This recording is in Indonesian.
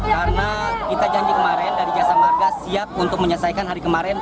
karena kita janji kemarin dari jasa marga siap untuk menyelesaikan hari kemarin